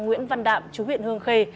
nguyễn văn đạm chú huyện hương khê